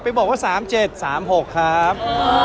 บอกว่า๓๗๓๖ครับ